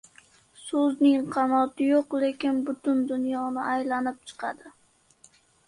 • So‘zning qanoti yo‘q, lekin butun dunyoni aylanib chiqadi.